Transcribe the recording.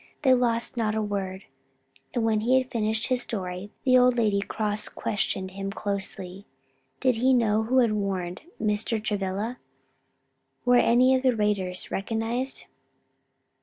They lost not a word and when he had finished his story the old lady cross questioned him closely. "Did he know who had warned Mr. Travilla? were any of the raiders recognized?"